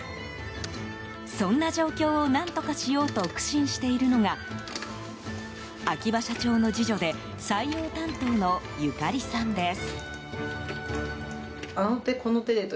そんな状況を何とかしようと苦心しているのが秋葉社長の次女で採用担当の由加里さんです。